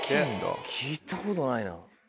聞いたことないな。